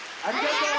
ありがとう！